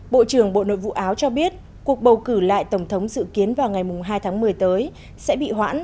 bộ trưởng bộ nội vụ áo cho biết cuộc bầu cử lại tổng thống dự kiến vào ngày hai tháng một mươi tới sẽ bị hoãn